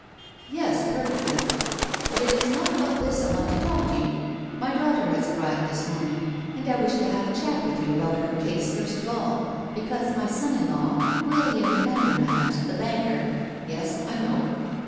"Yes, perfectly." "But it is not about this I want to talk to you. My daughter has arrived this morning, and I wish to have a chat with you about her case first of all, because my son in law, William Andermatt, the banker " "Yes, I know."